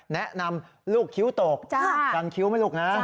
แนะนำลูกคิ้วตกกันคิ้วไหมลูกนะ